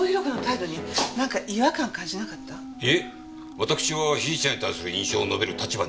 わたくしは被疑者に対する印象を述べる立場には。